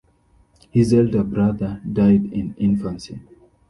His elder brother died in infancy.